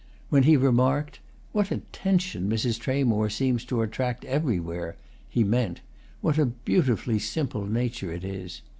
When he remarked: "What attention Mrs. Tramore seems to attract everywhere!" he meant: "What a beautifully simple nature it is!"